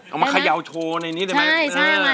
เอามาไข่าวโชว์ในนี้ได้มั้ย